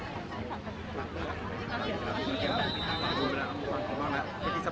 มันเป็นปัญหาจัดการอะไรครับ